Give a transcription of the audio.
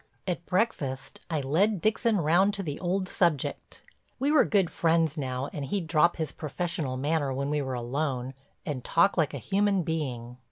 At breakfast I led Dixon round to the old subject—we were good friends now and he'd drop his professional manner when we were alone and talk like a human being.